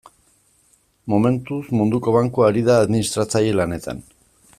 Momentuz, Munduko Bankua ari da administratzaile lanetan.